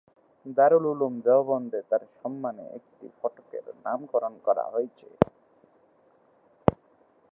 দারুল উলুম দেওবন্দে তার সম্মানে একটি ফটকের নামকরণ করা হয়েছে।